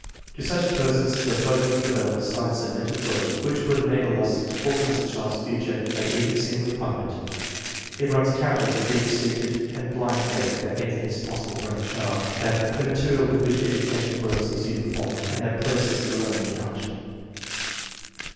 To such persons the proposal to develop a science of mental growth which would enable us to forecast a child's future may even seem repugnant. It runs counter to the deep seated and blind faith that anything is possible for any child; that the material with which education works is uniform; and that processes alone count.